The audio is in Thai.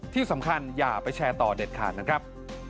ที่สำคัญอย่าไปแชร์ต่อเด็ดขาดนะครับ